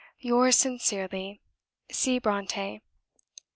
Yours sincerely, "C. BRONTË."